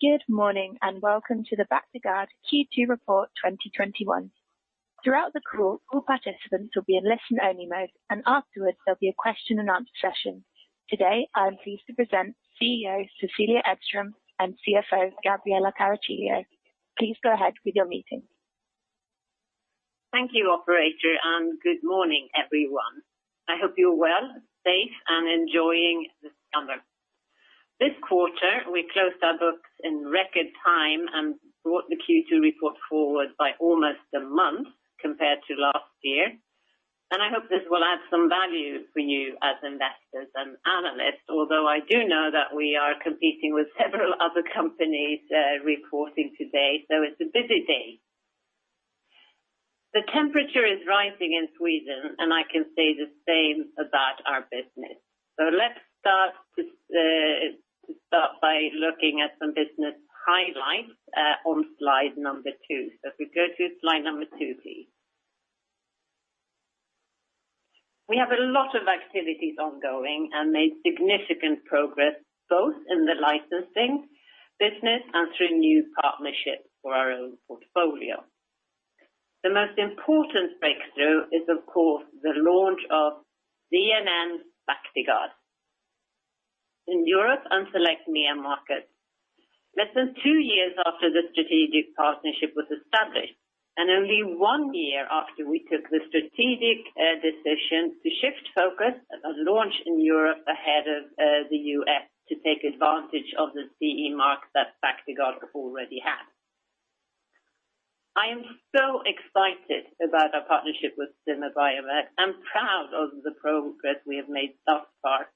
Good morning, welcome to the Bactiguard Q2 report 2021. Throughout the call, all participants will be in listen-only mode, afterwards, there'll be a question and answer session. Today, I am pleased to present CEO Cecilia Edström and CFO Gabriella Caracciolo. Please go ahead with your meeting. Thank you, operator. Good morning, everyone. I hope you're well, safe, and enjoying the summer. This quarter, we closed our books in record time and brought the Q2 report forward by almost a month compared to last year. I hope this will add some value for you as investors and analysts, although I do know that we are competing with several other companies reporting today, so it's a busy day. The temperature is rising in Sweden, and I can say the same about our business. Let's start by looking at some business highlights on slide number two. If we go to slide number two, please. We have a lot of activities ongoing and made significant progress both in the licensing business and through new partnerships for our own portfolio. The most important breakthrough is, of course, the launch of ZNN Bactiguard in Europe and select MEA markets less than two years after the strategic partnership was established and only one year after we took the strategic decision to shift focus and launch in Europe ahead of the U.S. to take advantage of the CE mark that Bactiguard already had. I am so excited about our partnership with Zimmer Biomet, and proud of the progress we have made thus far.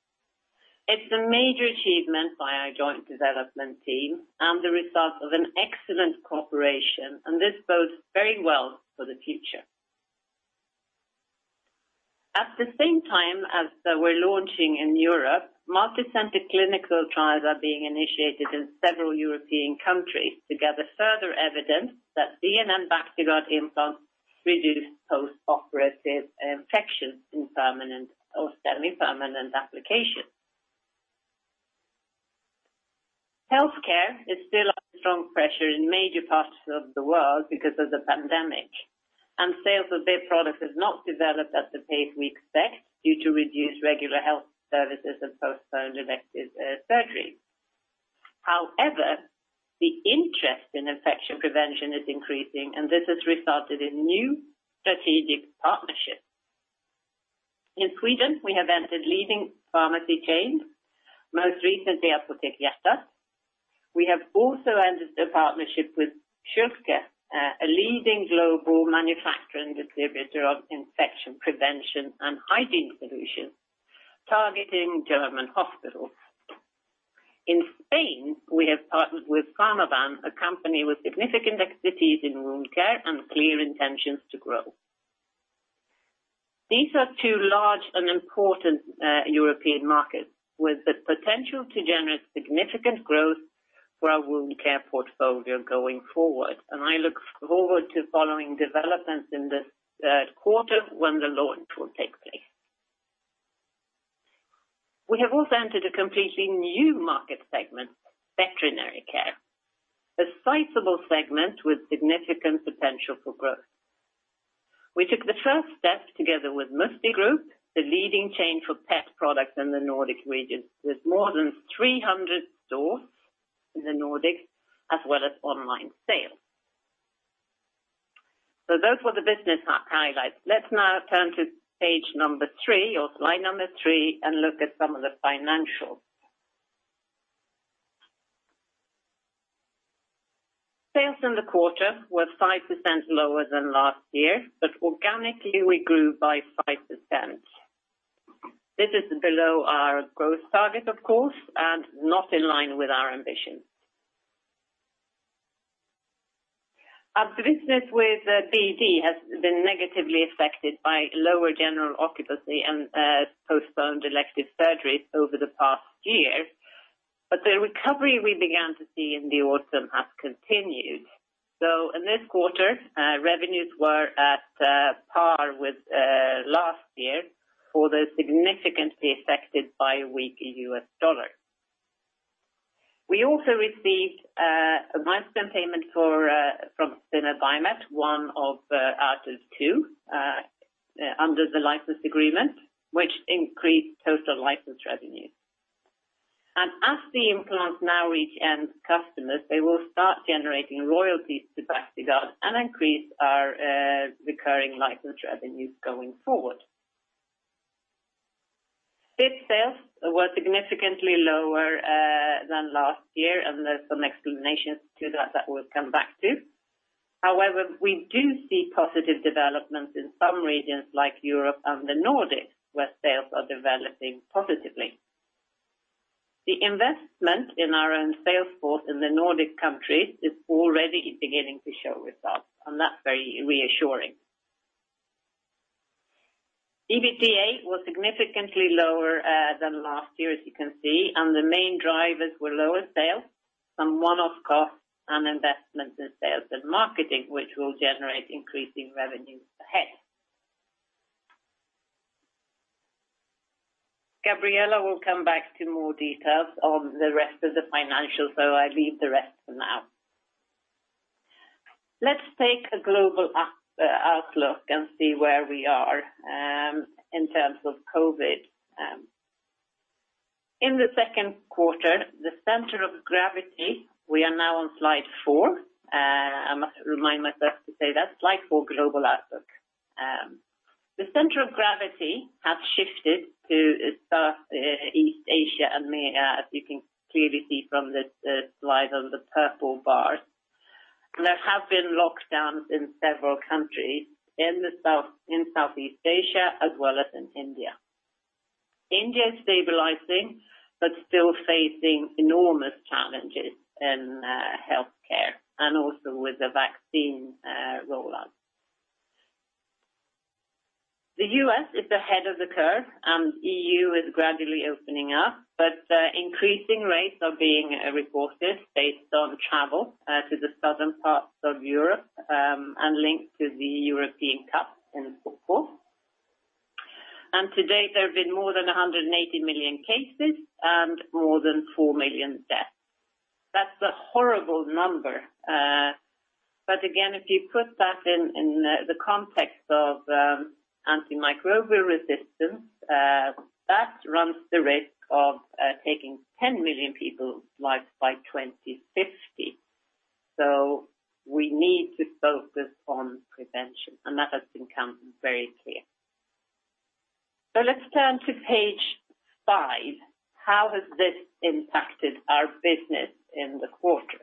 It's a major achievement by our joint development team and the result of an excellent cooperation, and this bodes very well for the future. At the same time as we're launching in Europe, multi-center clinical trials are being initiated in several European countries to gather further evidence that ZNN Bactiguard implants reduce postoperative infections in permanent or semi-permanent applications. Healthcare is still under strong pressure in major parts of the world because of the pandemic, and sales of their product have not developed at the pace we expect due to reduced regular health services and postponed elective surgery. However, the interest in infection prevention is increasing, and this has resulted in new strategic partnerships. In Sweden, we have entered leading pharmacy chains, most recently Apotek Hjärtat. We have also entered a partnership with schülke, a leading global manufacturer and distributor of infection prevention and hygiene solutions, targeting German hospitals. In Spain, we have partnered with Farmaban, a company with significant expertise in wound care and clear intentions to grow. These are two large and important European markets with the potential to generate significant growth for our wound care portfolio going forward, and I look forward to following developments in this quarter when the launch will take place. We have also entered a completely new market segment, veterinary care, a sizable segment with significant potential for growth. We took the first step together with Musti Group, the leading chain for pet products in the Nordic region, with more than 300 stores in the Nordics, as well as online sales. Those were the business highlights. Let's now turn to page number three or slide number three and look at some of the financials. Sales in the quarter were 5% lower than last year, but organically, we grew by 5%. This is below our growth target, of course, and not in line with our ambition. Our business with BD has been negatively affected by lower general occupancy and postponed elective surgeries over the past year. The recovery we began to see in the autumn has continued. In this quarter, revenues were at par with last year, although significantly affected by a weaker U.S. dollar. We also received a milestone payment from Zimmer Biomet, one of out of two under the license agreement, which increased total license revenue. As the implants now reach end customers, they will start generating royalties to Bactiguard and increase our recurring license revenues going forward. BIP sales were significantly lower than last year, and there are some explanations to that that we'll come back to. However, we do see positive developments in some regions like Europe and the Nordics, where sales are developing positively. The investment in our own sales force in the Nordic countries is already beginning to show results, and that's very reassuring. EBITDA was significantly lower than last year, as you can see. The main drivers were lower sales, some one-off costs, and investment in sales and marketing, which will generate increasing revenues ahead. Gabriella will come back to more details on the rest of the financials. I leave the rest for now. Let's take a global outlook and see where we are in terms of COVID. In the second quarter, we are now on slide four. I must remind myself to say that. Slide four, global outlook. The center of gravity has shifted to Southeast Asia and India, as you can clearly see from this slide on the purple bars. There have been lockdowns in several countries in Southeast Asia as well as in India. India is stabilizing but still facing enormous challenges in healthcare and also with the vaccine rollout. The U.S. is ahead of the curve. EU is gradually opening up, increasing rates are being reported based on travel to the southern parts of Europe and linked to the UEFA European Championship in football. To date, there have been more than 180 million cases and more than 4 million deaths. That's a horrible number. Again, if you put that in the context of antimicrobial resistance, that runs the risk of taking 10 million people's lives by 2050. We need to focus on prevention, and that has become very clear. Let's turn to page five. How has this impacted our business in the quarter?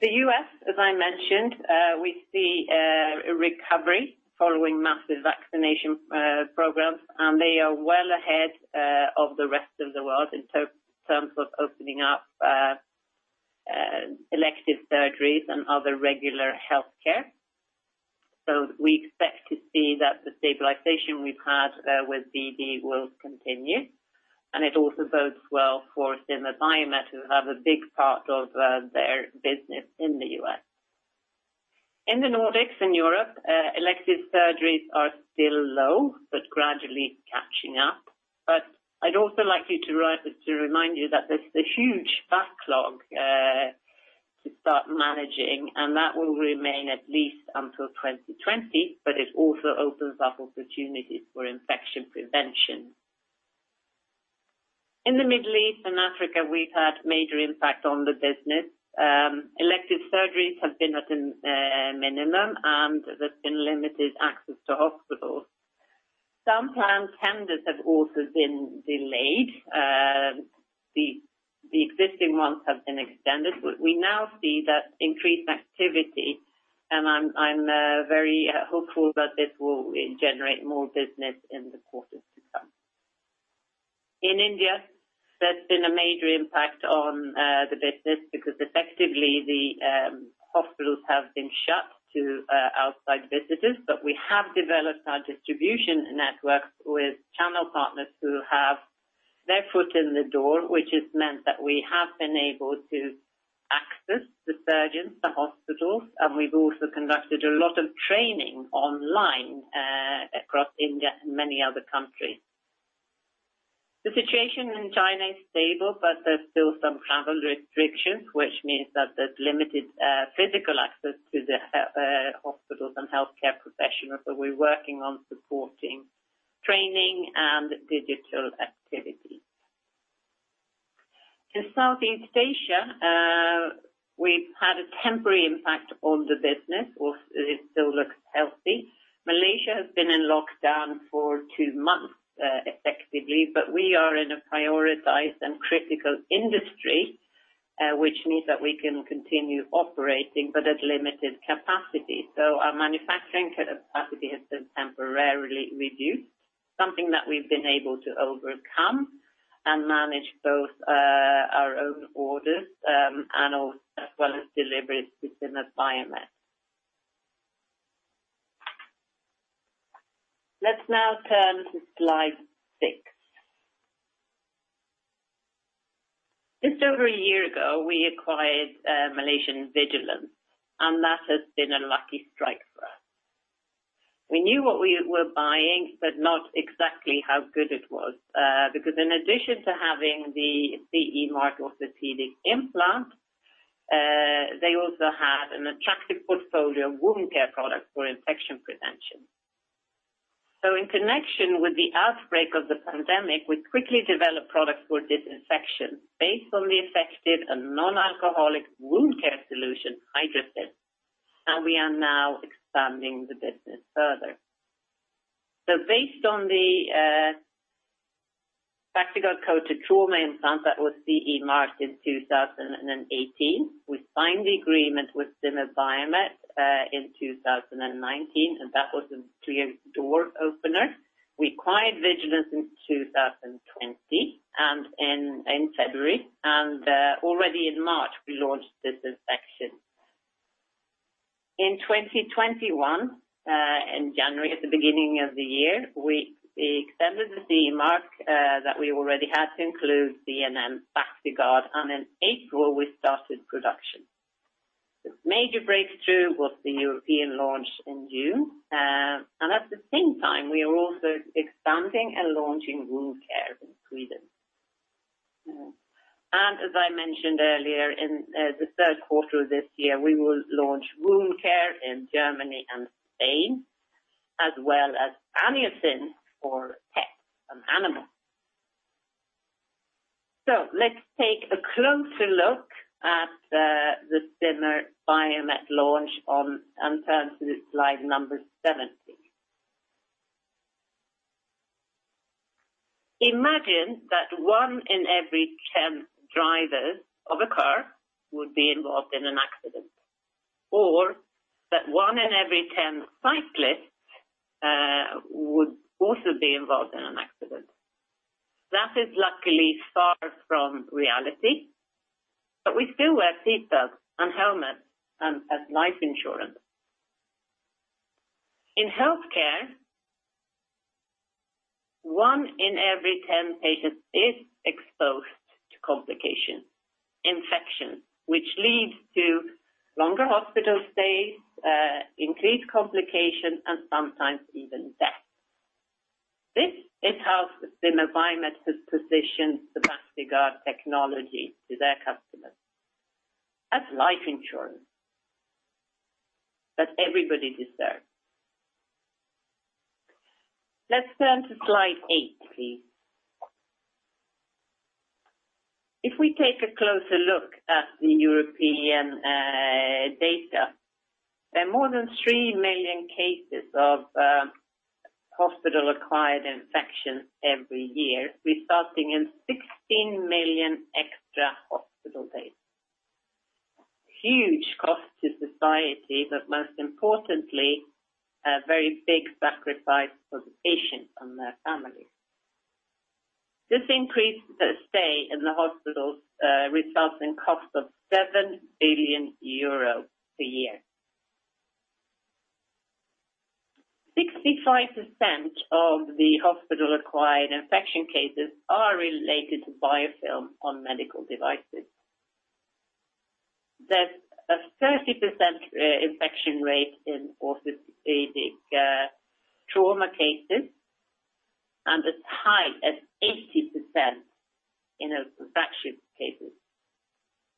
The U.S., as I mentioned, we see a recovery following massive vaccination programs, and they are well ahead of the rest of the world in terms of opening up elective surgeries and other regular healthcare. We expect to see that the stabilization we've had with BD will continue, and it also bodes well for Zimmer Biomet as a big part of their business in the U.S. In the Nordics, in Europe, elective surgeries are still low but gradually catching up. I'd also like to remind you that there's a huge backlog to start managing, and that will remain at least until 2020, but it also opens up opportunities for infection prevention. In the Middle East and Africa, we've had major impact on the business. Elective surgeries have been at a minimum, and there's been limited access to hospitals. Sometimes tenders have also been delayed. The existing ones have been extended, but we now see that increased activity, and I'm very hopeful that this will generate more business in the quarters to come. In India, there's been a major impact on the business because effectively the hospitals have been shut to outside visitors. We have developed our distribution network with channel partners who have their foot in the door, which has meant that we have been able to access the surgeons, the hospitals, and we've also conducted a lot of training online across India and many other countries. The situation in China is stable, but there's still some travel restrictions, which means that there's limited physical access to the hospitals and healthcare professionals, so we're working on supporting training and digital activities. To Southeast Asia, we've had a temporary impact on the business, or it still looks healthy. Malaysia has been in lockdown for two months, effectively, but we are in a prioritized and critical industry, which means that we can continue operating but at limited capacity. Our manufacturing capacity has been temporarily reduced, something that we've been able to overcome and manage both our own orders as well as deliveries to Zimmer Biomet. Let's now turn to slide six. Just over a year ago, we acquired Malaysian Vigilenz, and that has been a lucky strike for us. We knew what we were buying, but not exactly how good it was, because in addition to having the CE mark orthopedic implants, they also had an attractive portfolio of wound care products for infection prevention. In connection with the outbreak of the pandemic, we quickly developed products for disinfection based on the effective and non-alcoholic wound care solution, Hydrocyn, and we are now expanding the business further. Based on the Bactiguard coated trauma implant that was CE marked in 2018, we signed the agreement with Zimmer Biomet in 2019, and that was a clear door opener. We acquired Vigilenz in 2020 and in February, and already in March, we launched disinfection. In 2021, in January, at the beginning of the year, we extended the CE mark that we already had to include ZNN Bactiguard, and in April, we started production. The major breakthrough was the European launch in June, and at the same time, we are also expanding and launching wound care in Sweden. As I mentioned earlier, in the third quarter of this year, we will launch wound care in Germany and Spain, as well as Aniocyn for pets and animals. Let's take a closer look at the Zimmer Biomet launch and turn to slide number seven, please. Imagine that one in every 10 drivers of a car would be involved in an accident, or that one in every 10 cyclists would also be involved in an accident. That is luckily far from reality. We still wear seatbelts and helmets and have life insurance. In healthcare, one in every 10 patients is exposed to complications, infections, which leads to longer hospital stays, increased complications, and sometimes even death. This is how Zimmer Biomet has positioned the Bactiguard technology to their customers, as life insurance that everybody deserves. Let's turn to slide eight, please. If we take a closer look at the European data, there are more than 3 million cases of hospital-acquired infections every year, resulting in 16 million extra hospital days, a huge cost to society, but most importantly, a very big sacrifice for the patients and their families. This increases their stay in the hospitals, resulting in costs of 7 billion euros per year. 65% of the hospital-acquired infection cases are related to biofilm on medical devices. There's a 30% infection rate in orthopedic trauma cases and as high as 80% in orthopedic cases.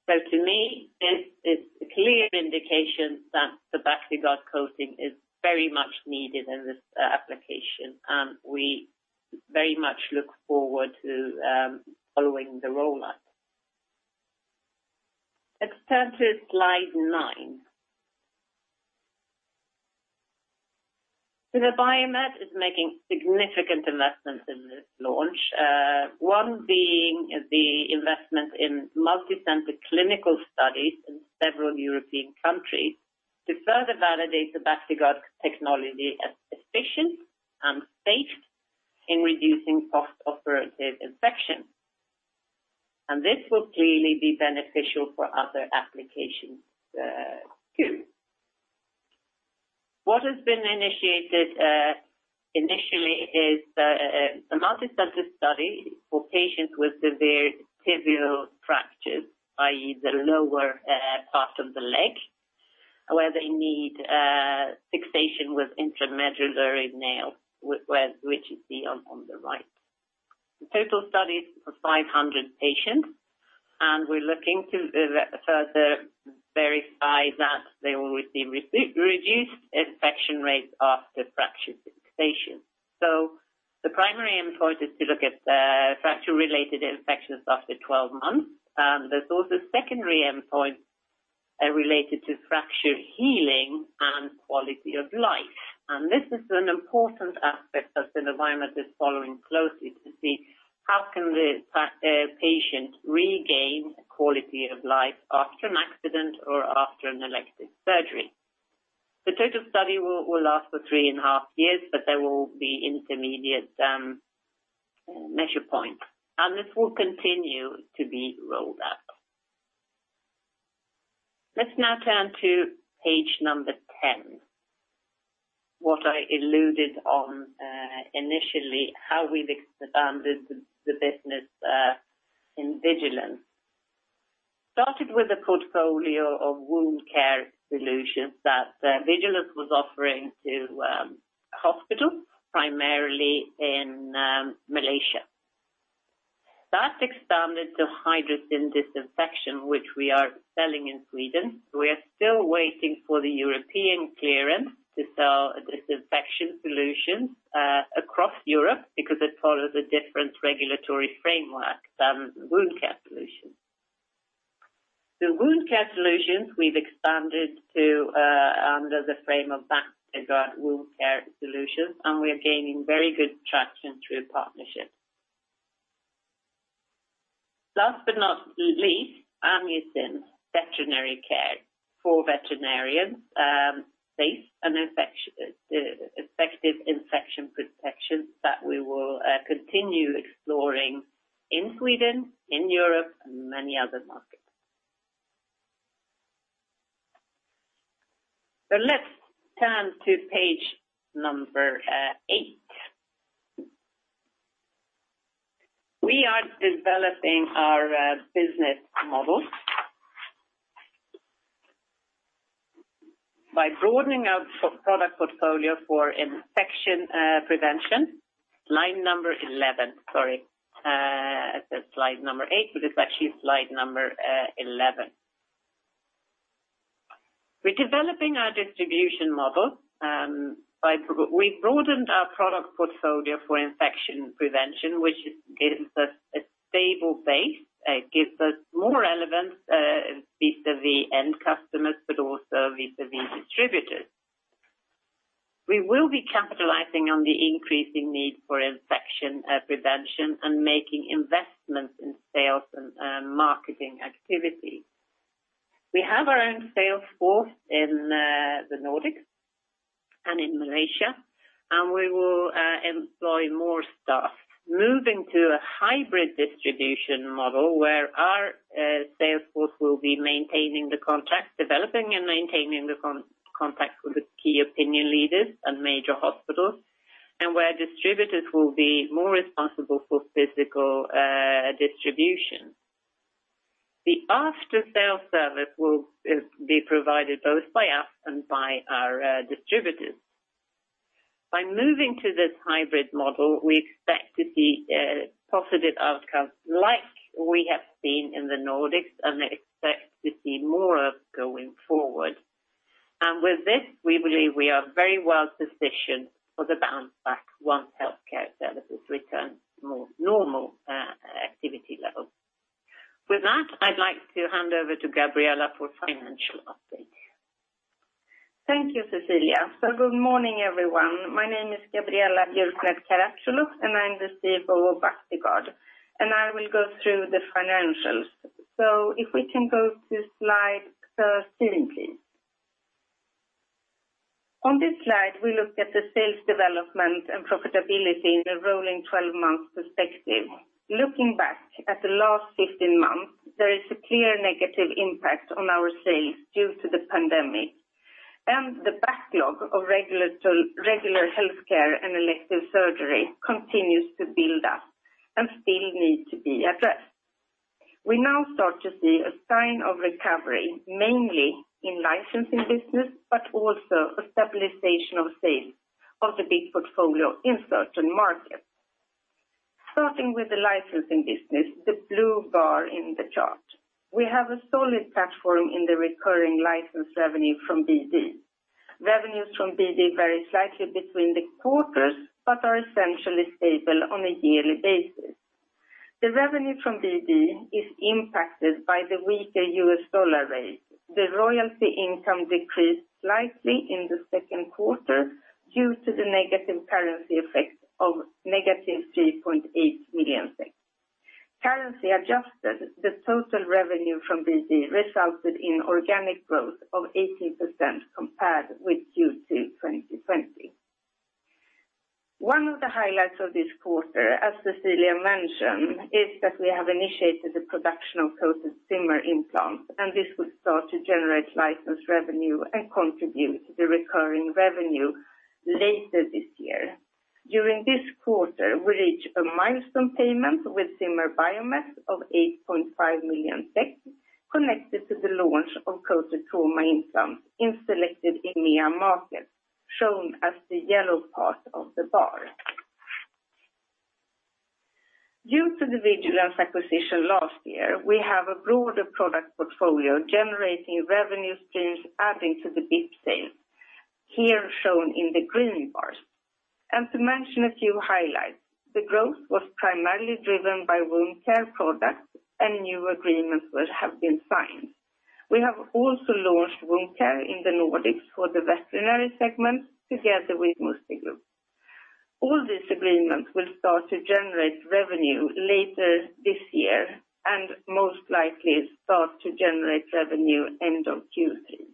To me, this is a clear indication that the Bactiguard coating is very much needed in this application, and we very much look forward to following the rollout. Let's turn to slide nine. Zimmer Biomet is making significant investments in this launch. One being the investment in multi-center clinical studies in several European countries to further validate the Bactiguard technology as efficient and safe in reducing postoperative infections. This will clearly be beneficial for other applications, too. What has been initiated initially is a multi-center study for patients with severe tibial fractures, i.e., the lower part of the leg, where they need fixation with intramedullary nail, which is the one on the right. The total studies for 500 patients and we're looking to further verify that they will receive reduced infection rates after fracture fixation. The primary endpoint is to look at fracture-related infections after 12 months. There's also secondary endpoints related to fracture healing and quality of life. This is an important aspect that Zimmer Biomet is following closely to see how can the patient regain the quality of life after an accident or after an elective surgery. The total study will last for three and a half years, There will be intermediate measure points. This will continue to be rolled out. Let's now turn to page number 10. What I alluded on initially, how we've expanded the business in Vigilenz. Started with a portfolio of wound care solutions that Vigilenz was offering to hospitals, primarily in Malaysia. That expanded to Hydrocyn disinfection, which we are selling in Sweden. We are still waiting for the European clearance to sell a disinfection solution across Europe because it follows a different regulatory framework than wound care solutions. The wound care solutions we've expanded to under the frame of Bactiguard Wound Care Solutions. We're gaining very good traction through partnerships. Last but not least, Aniocyn, veterinary care for veterinarians, safe and effective infection protection that we will continue exploring in Sweden, in Europe, and many other markets. Let's turn to page number eight. We are developing our business model by broadening our product portfolio for infection prevention. Line number 11, sorry. I said slide number eight, but it's actually slide number 11. We're developing our distribution model. We've broadened our product portfolio for infection prevention, which gives us a stable base. It gives us more relevance vis-à-vis end customers, but also vis-à-vis distributors. We will be capitalizing on the increasing need for infection prevention and making investments in sales and marketing activity. We have our own sales force in the Nordics and in Malaysia, and we will employ more staff. Moving to a hybrid distribution model where our sales force will be developing and maintaining the contacts with the key opinion leaders and major hospitals, and where distributors will be more responsible for physical distribution. The after-sale service will be provided both by us and by our distributors. By moving to this hybrid model, we expect to see positive outcomes like we have seen in the Nordics, expect to see more of going forward. With this, we believe we are very well-positioned for the bounce back once healthcare services return to more normal activity level. With that, I'd like to hand over to Gabriella for financial update. Thank you, Cecilia. Good morning, everyone. My name is Gabriella Björknert Caracciolo, and I'm the CFO of Bactiguard. I will go through the financials. If we can go to slide 13, please. On this slide, we look at the sales development and profitability in the rolling 12 months perspective. Looking back at the last 15 months, there is a clear negative impact on our sales due to the pandemic. The backlog of regular healthcare and elective surgery continues to build up and still need to be addressed. We now start to see a sign of recovery, mainly in licensing business, but also a stabilization of sales of the BIP portfolio in certain markets. Starting with the licensing business, the blue bar in the chart. We have a solid platform in the recurring license revenue from BD. Revenues from BD vary slightly between the quarters but are essentially stable on a yearly basis. The revenue from BD is impacted by the weaker U.S. dollar rate. The royalty income decreased slightly in the second quarter due to the negative currency effect of negative 3.8 million. Currency adjusted, the total revenue from BD resulted in organic growth of 18% compared with Q2 2020. One of the highlights of this quarter, as Cecilia mentioned, is that we have initiated the production of coated Zimmer implants, and this will start to generate license revenue and contribute to the recurring revenue later this year. During this quarter, we reached a milestone payment with Zimmer Biomet of 8.5 million connected to the launch of coated trauma implants in selected EMEA markets, shown as the yellow part of the bar. Due to the Vigilenz acquisition last year, we have a broader product portfolio generating revenue streams adding to the BIP sales, here shown in the green bars. To mention a few highlights, the growth was primarily driven by wound care products and new agreements which have been signed. We have also launched wound care in the Nordics for the veterinary segment together with Musti Group. All these agreements will start to generate revenue later this year and most likely start to generate revenue end of Q3.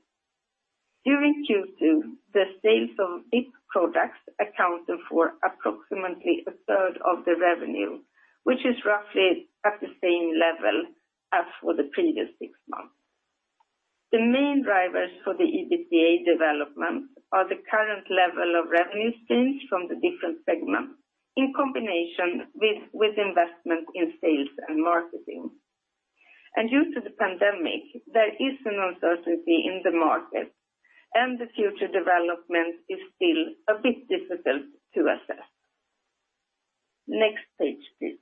During Q2, the sales of BIP products accounted for approximately a third of the revenue, which is roughly at the same level as for the previous six months. The main drivers for the EBITDA development are the current level of revenue streams from the different segments in combination with investment in sales and marketing. Due to the pandemic, there is an uncertainty in the market, and the future development is still a bit difficult to assess. Next page, please.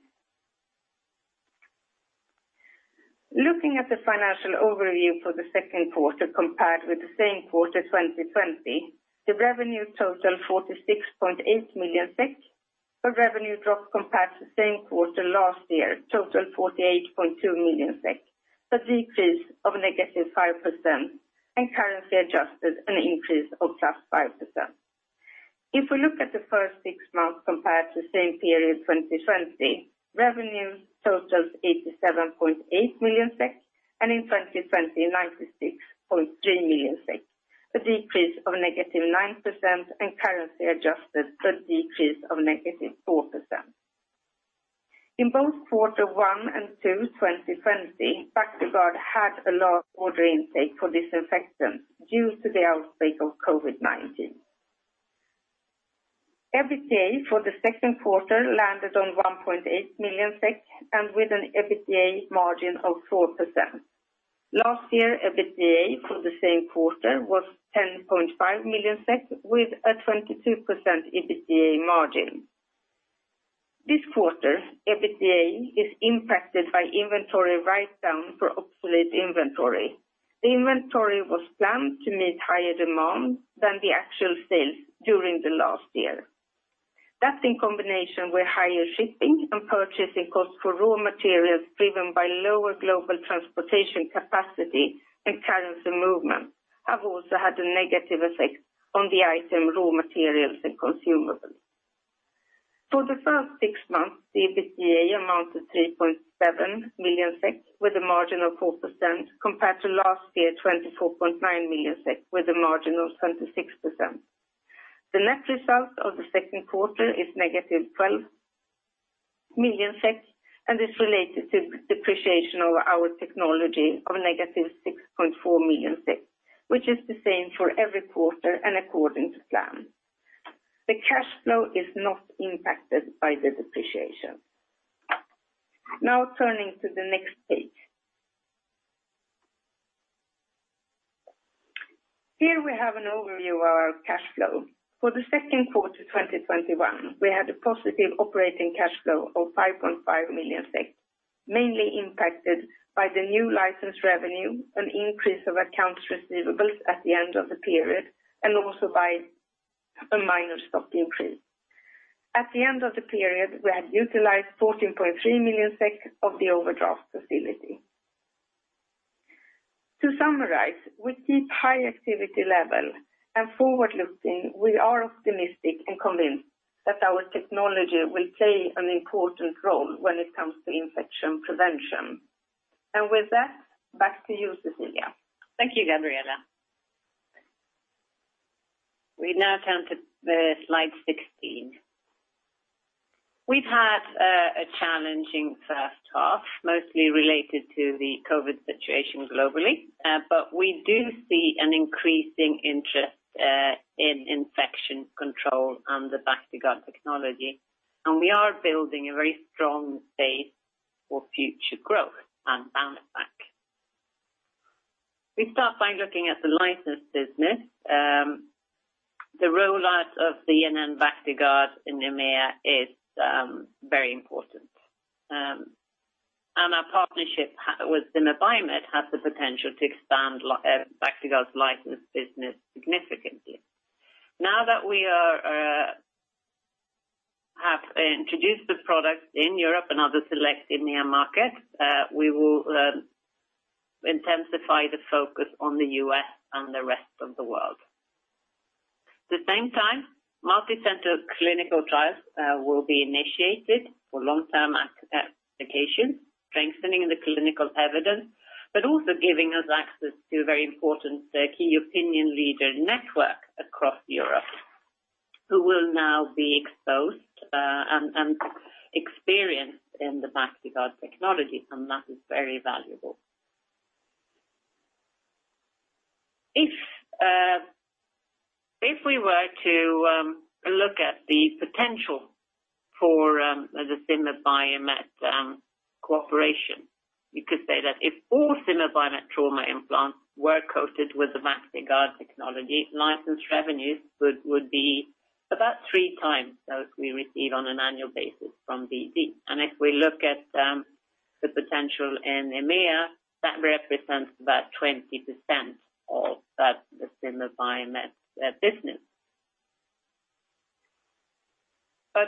Looking at the financial overview for the second quarter compared with the same quarter 2020, the revenue totaled 46.8 million SEK, a revenue drop compared to the same quarter last year totaled 48.2 million SEK, that's decrease of -5%, and currency adjusted, an increase of +5%. If we look at the first six months compared to the same period 2020, revenue totals 87.8 million. In 2020, 96.2 million. A decrease of -9%, and currency adjusted, a decrease of -4%. In both quarter one and two 2020, Bactiguard had a large order intake for disinfectants due to the outbreak of COVID-19. EBITDA for the second quarter landed on 1.8 million SEK and with an EBITDA margin of 4%. Last year, EBITDA for the same quarter was 10.5 million SEK with a 22% EBITDA margin. This quarter, EBITDA is impacted by inventory write-down for obsolete inventory. The inventory was planned to meet higher demands than the actual sales during the last year. That in combination with higher shipping and purchasing costs for raw materials driven by lower global transportation capacity and currency movements have also had a negative effect on the item raw materials and consumables. For the first six months, the EBITDA amounted to 3.7 million SEK with a margin of 4%, compared to last year, 24.9 million SEK with a margin of 26%. The net result of the second quarter is negative 12 million, and is related to the depreciation of our technology of negative 6.4 million, which is the same for every quarter and according to plan. The cash flow is not impacted by the depreciation. Turning to the next page. Here we have an overview of our cash flow. For the second quarter 2021, we had a positive operating cash flow of 5.5 million, mainly impacted by the new license revenue, an increase of accounts receivables at the end of the period, and also by a minor stock increase. At the end of the period, we had utilized 14.3 million SEK of the overdraft facility. To summarize, we keep high activity levels, forward-looking, we are optimistic and convinced that our technology will play an important role when it comes to infection prevention. With that, back to you, Cecilia. Thank you, Gabriella. We now turn to slide 16. We've had a challenging first half, mostly related to the COVID situation globally. We do see an increasing interest in infection control and the Bactiguard technology, and we are building a very strong base for future growth and ambition. We start by looking at the license business. The rollout of the ZNN Bactiguard in EMEA is very important. Our partnership with Zimmer Biomet has the potential to expand Bactiguard's license business significantly. Now that we have introduced the product in Europe and other select EMEA markets, we will intensify the focus on the U.S. and the rest of the world. At the same time, multi-center clinical trials will be initiated for long-term application, strengthening the clinical evidence, but also giving us access to a very important key opinion leader network across Europe who will now be exposed and experienced in the Bactiguard technology, and that is very valuable. If we were to look at the potential for the Zimmer Biomet cooperation, you could say that if all Zimmer Biomet trauma implants were coated with the Bactiguard technology, license revenues would be about 3x those we received on an annual basis from BD. If we look at the potential in EMEA, that represents about 20% of the Zimmer Biomet business.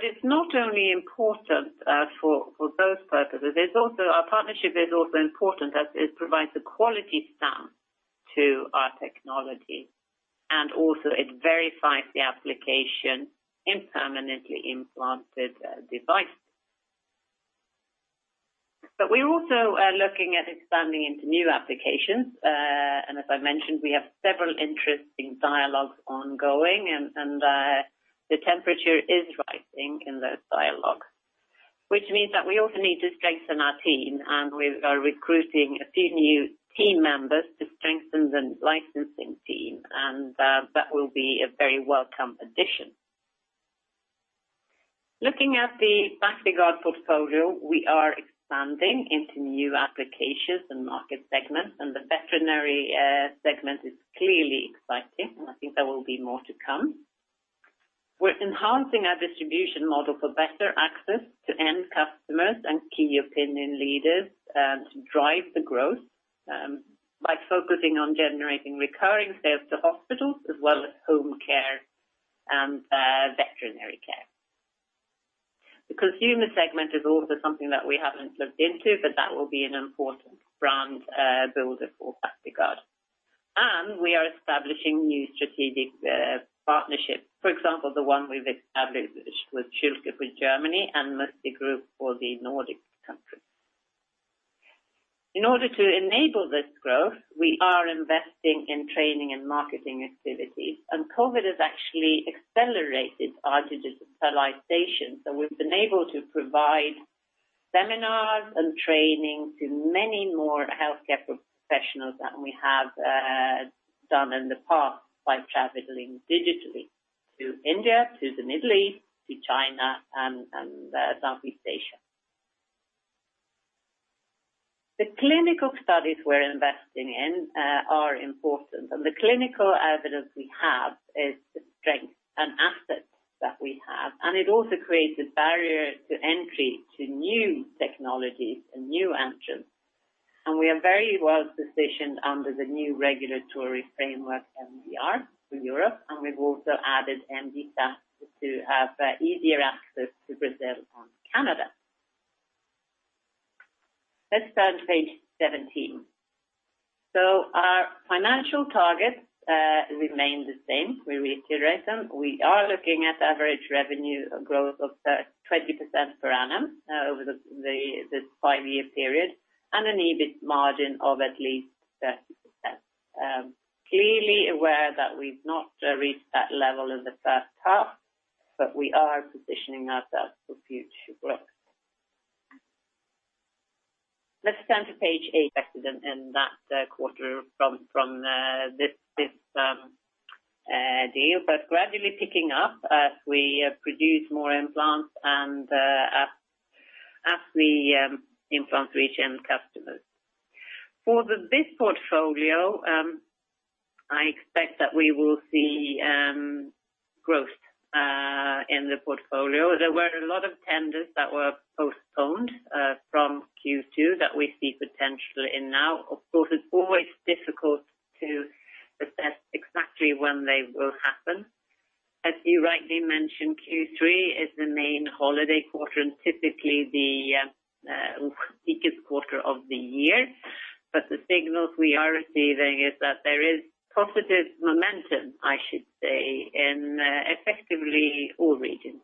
It's not only important for those purposes. Our partnership is also important as it provides a quality stamp to our technology, and also it verifies the application in permanently implanted devices. We're also looking at expanding into new applications. As I mentioned, we have several interesting dialogues ongoing, and the temperature is rising in those dialogues, which means that we also need to strengthen our team, and we are recruiting a few new team members to strengthen the licensing team, and that will be a very welcome addition. Looking at the Bactiguard portfolio, we are expanding into new applications and market segments, and the veterinary segment is clearly exciting, and I think there will be more to come. We're enhancing our distribution model for better access to end customers and key opinion leaders to drive the growth by focusing on generating recurring sales to hospitals as well as home care and veterinary care. The consumer segment is also something that we haven't looked into, but that will be an important brand builder for Bactiguard. We are establishing new strategic partnerships. For example, the one we've established with schülke for Germany and with The Group for the Nordic countries. In order to enable this growth, we are investing in training and marketing activities, and COVID has actually accelerated our digitalization. We've been able to provide seminars and training to many more healthcare professionals than we have done in the past by traveling digitally to India, to the Middle East, to China, and Southeast Asia. The clinical studies we're investing in are important, and the clinical evidence we have is the strength and assets that we have, and it also creates a barrier to entry to new technologies and new entrants. We are very well-positioned under the new regulatory framework, MDR, for Europe, and we've also added MDSAP to have easier access to Brazil and Canada. Let's turn to page 17. Our financial targets remain the same. We reiterate them. We are looking at average revenue growth of 20% per annum over this five-year period, and an EBIT margin of at least 30%. Clearly aware that we've not reached that level in the first half, we are positioning ourselves for future growth. Invested in that quarter from this deal, gradually picking up as we produce more implants and as the implants reach end customers. For the BIP portfolio, I expect that we will see growth in the portfolio. There were a lot of tenders that were postponed from Q2 that we see potential in now. Of course, it's always difficult to assess exactly when they will happen. As you rightly mentioned, Q3 is the main holiday quarter and typically the weakest quarter of the year. The signals we are receiving is that there is positive momentum, I should say, in effectively all regions.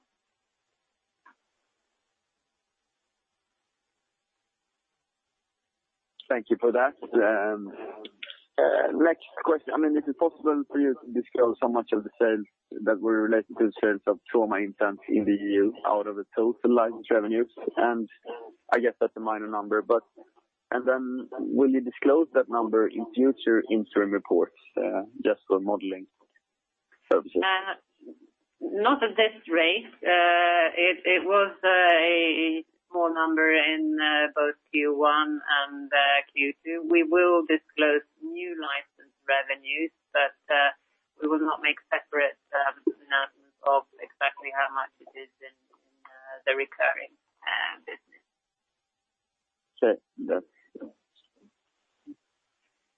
Thank you for that. Next question, if it's possible for you to disclose how much of the sales that were related to the sales of trauma implants in the EU out of the total license revenues, and I guess that's a minor number. Then will you disclose that number in future interim reports, just for modeling purposes? Not at this rate. It was a small number in both Q1 and Q2. We will disclose new license revenues, we will not make separate announcements of exactly how much it is in the recurring business. Sure. That's useful.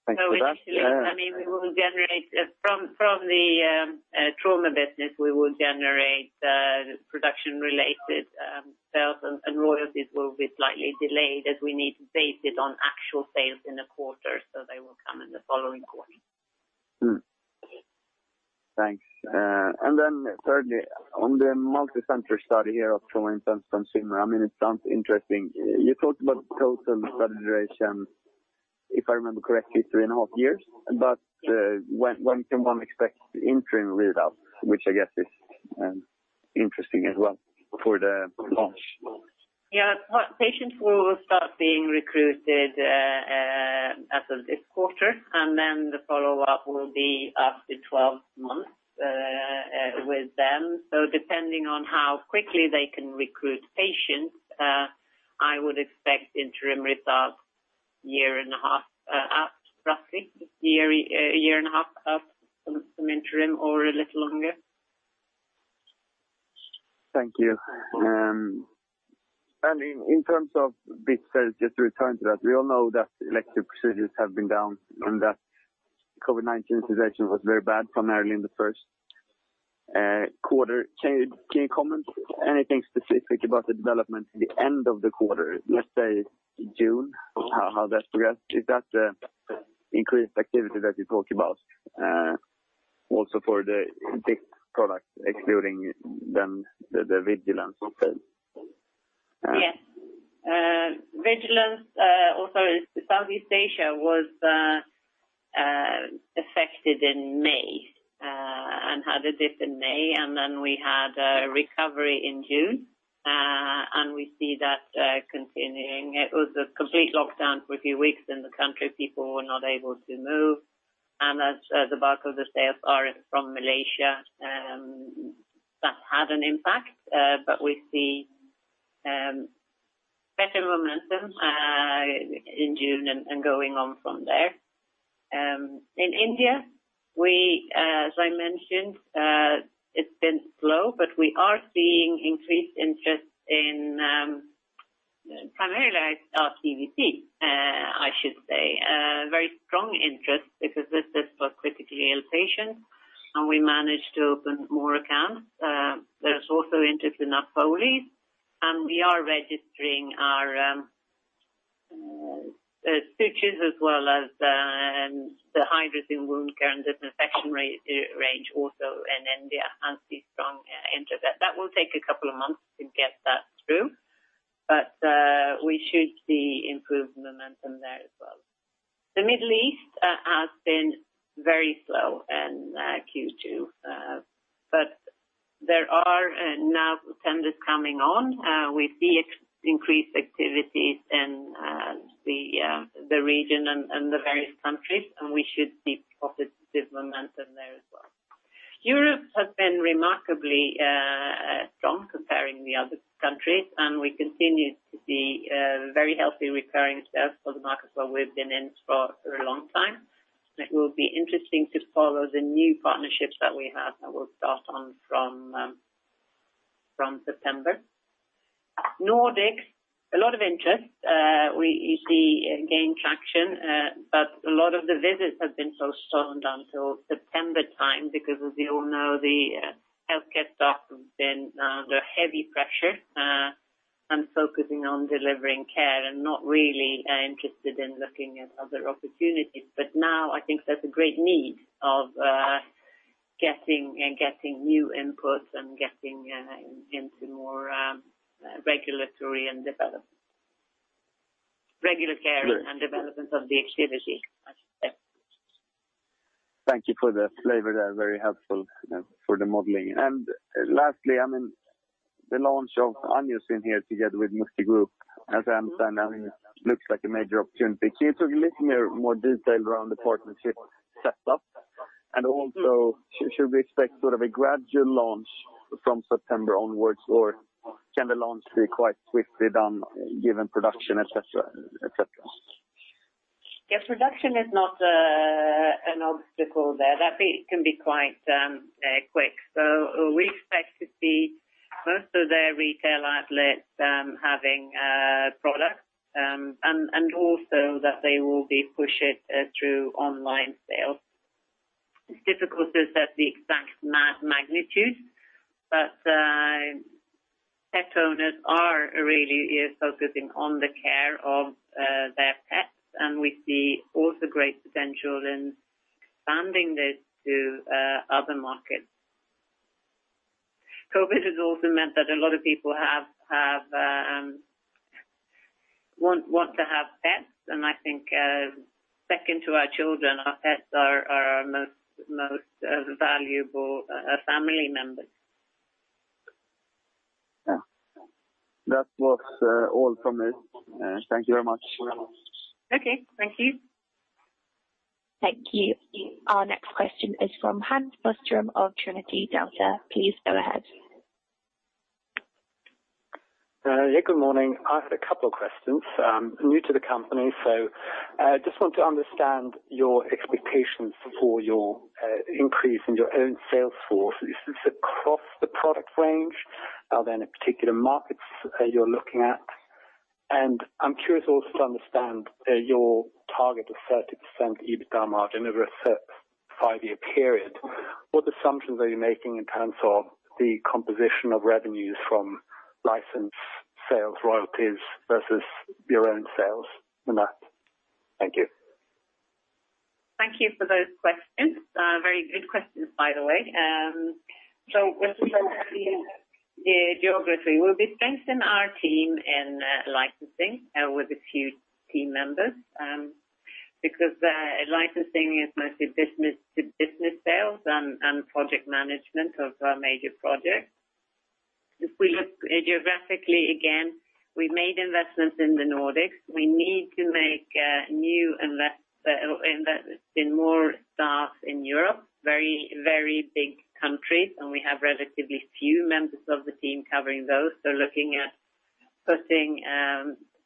Thank you for that. I mean, from the trauma business, we will generate production-related sales, and royalties will be slightly delayed as we need to base it on actual sales in a quarter, so they will come in the following quarter. Thanks. Thirdly, on the multicenter study here of trauma implants and Zimmer, it sounds interesting. You talked about total study duration, if I remember correctly, three and a half years. When can one expect interim results, which I guess is interesting as well for the launch? Patients will start being recruited as of this quarter, and then the follow-up will be up to 12 months with them. Depending on how quickly they can recruit patients, I would expect interim results roughly a year and a half after some interim or a little longer. Thank you. In terms of BIP sales, just to return to that, we all know that elective procedures have been down and that COVID-19 situation was very bad primarily in the first quarter. Can you comment anything specific about the development in the end of the quarter, let's say June, how that progressed? Is that the increased activity that you talk about also for the BIP product, excluding then the Vigilenz also? Yes. Vigilenz also in Southeast Asia was affected in May and had a dip in May. We had a recovery in June. We see that continuing. It was a complete lockdown for a few weeks in the country. People were not able to move. As the bulk of the sales are from Malaysia, that had an impact. We see better momentum in June going on from there. In India, as I mentioned, it's been slow. We are seeing increased interest in primarily our CVC, I should say. A very strong interest because this is for critically ill patients. We managed to open more accounts. There's also interest in Foley. We are registering our stitches as well as the, behind Wound Care Solutions also in India as we strong enter there. That will take a couple of months to get that through, but we should see improved momentum there as well. The Middle East has been very slow in Q2 but there are now tenders coming on. We see increased activities in the region and the various countries, and we should see positive momentum there as well. Europe has been remarkably strong comparing the other countries, and we continue to see very healthy recurring sales for the markets where we've been in for a long time. It will be interesting to follow the new partnerships that we have that will start from September. Nordics, a lot of interest. We see it gains traction, but a lot of the visits have been slowed down till September time because as you all know, the healthcare staff have been under heavy pressure and focusing on delivering care and not really interested in looking at other opportunities. Now I think there's a great need of getting new inputs and getting into more regulatory and development. Regulatory and development of the activity. Thank you for that flavor there. Very helpful for the modeling. Lastly, the launch of Aniocyn here together with Musti Group as I understand looks like a major opportunity. Can you talk a little more detail around the partnership setup and also should we expect sort of a gradual launch from September onwards or can the launch be quite quickly done given production et cetera? Yes, production is not an obstacle there. That bit can be quite quick. We expect to see most of their retail outlets having products and also that they will be pushing through online sales. It's difficult to set the exact magnitude, but pet owners are really focusing on the care of their pets, and we see also great potential in expanding this to other markets. COVID has also meant that a lot of people want to have pets and I think second to our children, our pets are our most valuable family members. Yeah. That was all from me. Thank you very much. Okay. Thank you. Thank you. Our next question is from Hans Boström of Trinity Delta. Please go ahead. Good morning. I have a couple questions. I'm new to the company, so just want to understand your expectations for your increase in your own sales force. Is this across the product range? Are there any particular markets you're looking at? I'm curious also to understand your target of 30% EBITDA margin over a five-year period. What assumptions are you making in terms of the composition of revenues from license sales royalties versus your own sales in that? Thank you. Thank you for those questions. Very good questions, by the way. We'll start with the geography. We'll be strengthening our team in licensing with a few team members because licensing is mostly business-to-business sales and project management of our major projects. If we look geographically again, we made investments in the Nordics. We need to make new investments in more staff in Europe, very big countries, and we have relatively few members of the team covering those. Looking at putting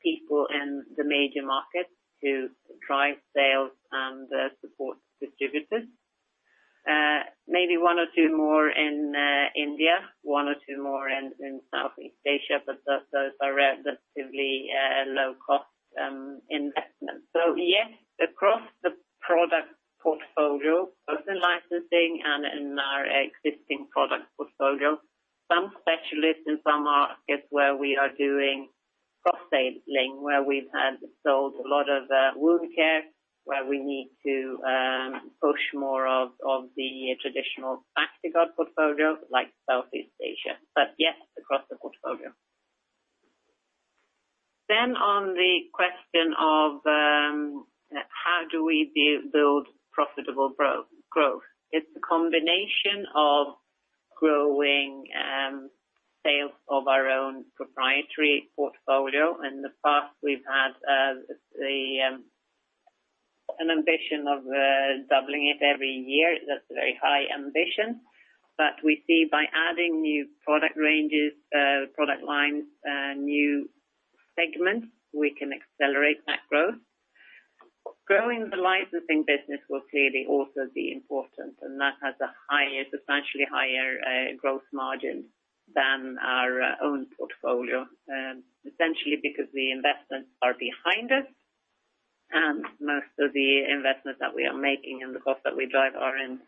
people in the major markets to drive sales and support distributors. Maybe one or two more in India, one or two more in Southeast Asia, but those are relatively low-cost investments. Yes, across the product portfolio, both in licensing and in our existing product portfolio. Some specialists in some markets where we are doing cross-selling where we've sold a lot of wound care where we need to push more of the traditional Bactiguard portfolio like Southeast Asia. Yes, across the portfolio. On the question of how do we build profitable growth. It's a combination of growing sales of our own proprietary portfolio. In the past we've had an ambition of doubling it every year. That's a very high ambition, but we see by adding new product ranges, product lines, new segments, we can accelerate that growth. Growing the licensing business will clearly also be important, and that has a substantially higher growth margin than our own portfolio. Essentially because the investments are behind us. Most of the investments that we are making and the costs that we drive are in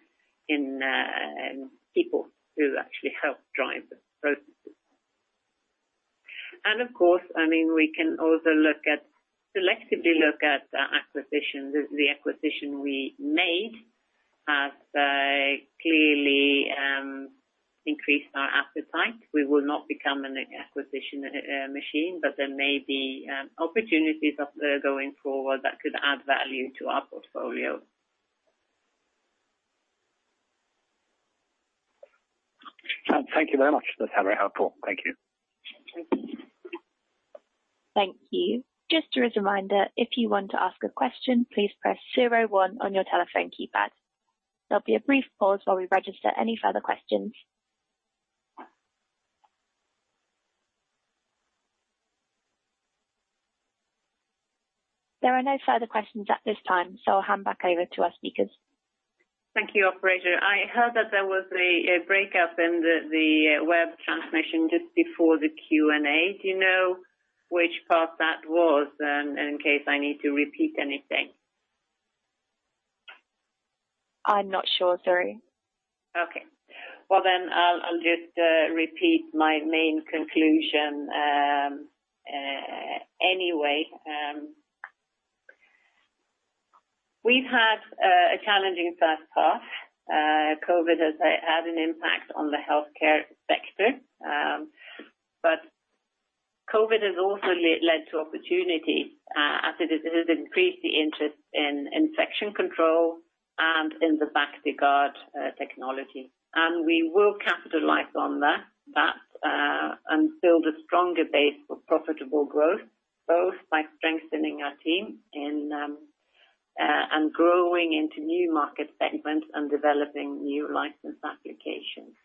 people who actually help drive the processes. Of course, we can also selectively look at the acquisition. The acquisition we made has clearly increased our appetite. We will not become an acquisition machine. There may be opportunities going forward that could add value to our portfolio. Thank you very much. That's very helpful. Thank you. Thank you. Just a reminder, if you want to ask a question, please press zero one on your telephone keypad. There'll be a brief pause while we register any further questions. There are no further questions at this time, so I'll hand back over to our speakers. Thank you, operator. I heard that there was a breakup in the web transmission just before the Q&A. Do you know which part that was? In case I need to repeat anything. I'm not sure. Sorry. I'll just repeat my main conclusion anyway. We've had a challenging first half. COVID has had an impact on the healthcare sector. COVID has also led to opportunity, as it has increased the interest in infection control and in the Bactiguard technology. We will capitalize on that and build a stronger base for profitable growth, both by strengthening our team and growing into new market segments and developing new license applications.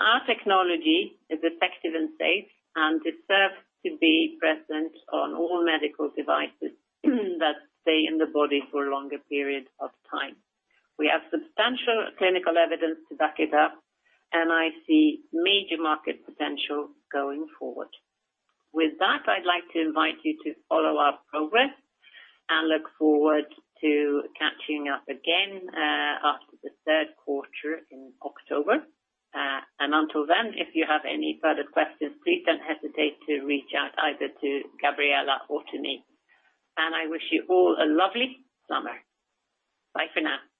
Our technology is effective and safe, and deserves to be present on all medical devices that stay in the body for a longer period of time. We have substantial clinical evidence to back it up, and I see major market potential going forward. With that, I'd like to invite you to follow our progress and look forward to catching up again after the third quarter in October. Until then, if you have any further questions, please don't hesitate to reach out either to Gabriella or to me. I wish you all a lovely summer. Bye for now.